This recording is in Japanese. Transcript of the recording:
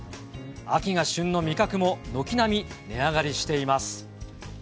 秋が旬の味覚も軒並み値上がりしています。